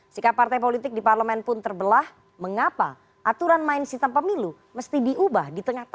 selamat malam bang andria